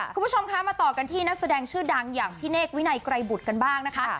คุณผู้ชมคะมาต่อกันที่นักแสดงชื่อดังอย่างพี่เนกวินัยไกรบุตรกันบ้างนะคะ